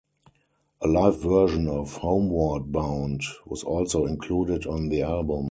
A live version of "Homeward Bound" was also included on the album.